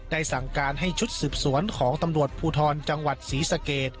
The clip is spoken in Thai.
สั่งการให้ชุดสืบสวนของตำรวจภูทรจังหวัดศรีสเกต